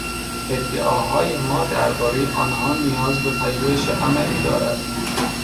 ادعاهای ما دربارهی آنها نیاز به پژوهش عملی دارد.